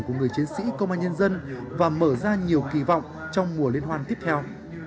của người chiến sĩ công an nhân dân và mở ra nhiều kỳ vọng trong mùa liên hoan tiếp theo